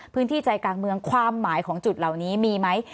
ใจกลางเมืองความหมายของจุดเหล่านี้มีไหม